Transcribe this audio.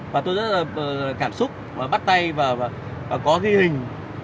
và tôi rất là cảm xúc bắt tay và có ghi hình